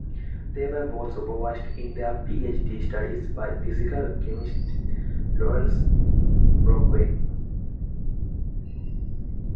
They were both supervised in their Ph.D. studies by physical chemist Lawrence Brockway.